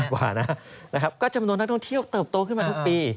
กว่านะครับก็จำนวนนักท่องเที่ยวเติบโตขึ้นมาทุกปี